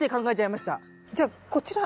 じゃあこちら。